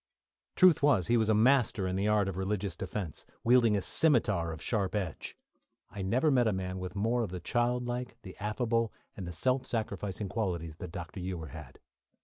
Truth was, he was a master in the art of religious defence, wielding a scimitar of sharp edge. I never met a man with more of the childlike, the affable, and the self sacrificing qualities than Dr. Ewer had.